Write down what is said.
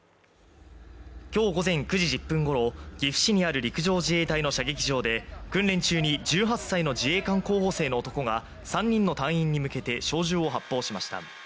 今日午前９時１０分ごろ、岐阜市にある陸上自衛隊の射撃場で訓練中に１８歳の自衛官候補生の男が３人の隊員に向けて小銃を発砲しました。